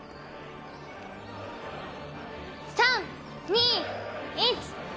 ３・２・１。